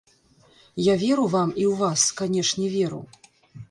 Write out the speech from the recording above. Я веру вам і ў вас, канечне, веру!